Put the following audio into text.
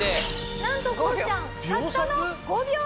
なんとこうちゃんたったの５秒で勝利！